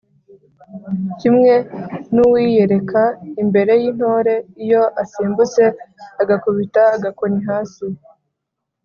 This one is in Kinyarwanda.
kimwe n’uwiyereka imbere y’intore iyo asimbutse agakubita agakoni hasi